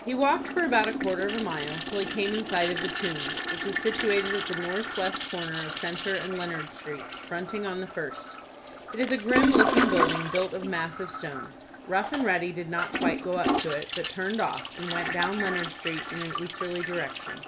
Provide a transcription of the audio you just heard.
He walked for about quarter of a mile, till he came in sight of the Tombs, which is situated at the north west corner of Centre and Leonard Streets, fronting on the first. It is a grim looking building, built of massive stone. Rough and Ready did not quite go up to it, but turned off, and went down Leonard Street in an easterly direction.